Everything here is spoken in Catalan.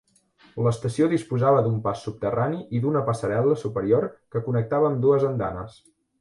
L'estació disposava d'un pas subterrani i d'una passarel·la superior que connectava ambdues andanes.